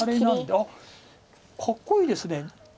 あっかっこいいです。